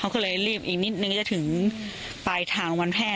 เขาก็เลยรีบอีกนิดนึงก็จะถึงปลายทางวันแพร่